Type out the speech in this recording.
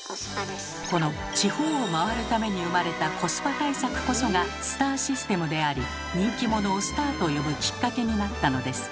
この地方を回るために生まれたコスパ対策こそがスターシステムであり人気者をスターと呼ぶきっかけになったのです。